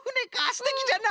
すてきじゃな。